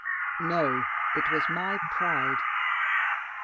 "No, it was my pride.